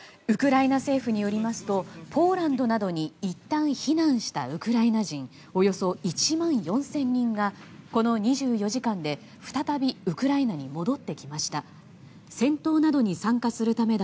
ウクライナ政府によりますとポーランドなどにいったん避難したウクライナ人およそ１万４０００人がこの２４時間で再びウクライナに戻ってきました。